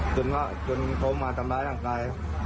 จนเขามาทำร้ายร่างกาย